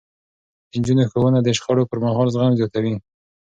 د نجونو ښوونه د شخړو پرمهال زغم زياتوي.